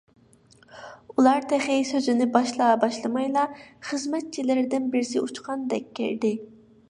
ئۇلار تېخى سۆزىنى باشلا - باشلىمايلا خىزمەتچىلىرىدىن بىرسى ئۇچقاندەك كىردى.